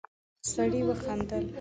سړی وخندل.